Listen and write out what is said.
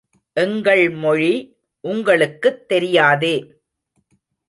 எங்கள் மொழி, உங்களுக்குத் தெரியாதே.